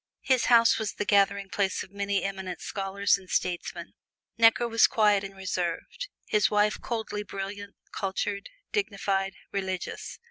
His house was the gathering place of many eminent scholars and statesmen. Necker was quiet and reserved; his wife coldly brilliant, cultured, dignified, religious.